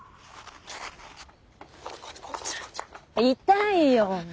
痛いよ！